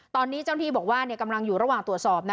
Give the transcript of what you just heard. ตอนนี้เจ้าหน้าที่บอกว่ากำลังอยู่ระหว่างตรวจสอบนะ